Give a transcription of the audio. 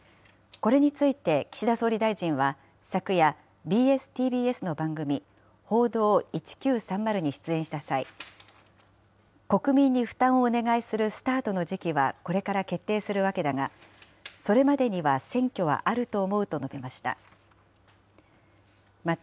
これについて岸田総理大臣は昨夜、ＢＳーＴＢＳの番組、報道１９３０に出演した際、国民に負担をお願いするスタートの時期はこれから決定するわけだが、それまでには選挙はあると思うと述べました。